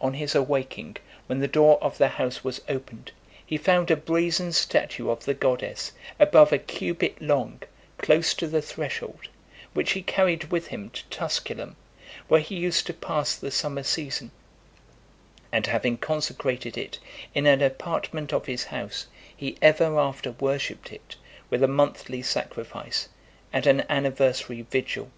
On his awaking, when the door of the house was opened, he found a brazen statue of the goddess, above a cubit long, close to the threshold, which he carried with slim to Tusculum, where he used to pass the summer season; and having consecrated it in an apartment of his house, he ever after worshipped it with a monthly sacrifice, and an anniversary vigil.